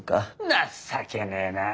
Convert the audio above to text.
情けねえなあ。